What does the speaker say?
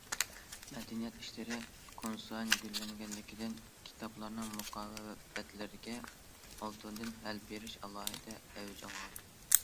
مەدەنىيەت ئىشلىرى كۈنسايىن گۈللەنگەنلىكتىن، كىتابلارنىڭ مۇقاۋا ۋە بەتلىرىگە ئالتۇندىن ھەل بېرىش ئالاھىدە ئەۋج ئالغان.